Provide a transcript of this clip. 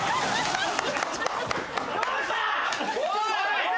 どうした？